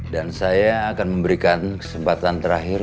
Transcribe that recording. dan saya akan memberikan kesempatan terakhir